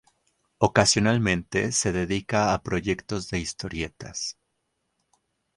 Ocasionalmente se dedica a proyectos de historietas.